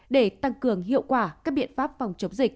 để tăng cường hiệu quả các biện pháp phòng chống dịch